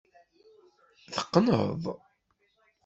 Teqqneḍ.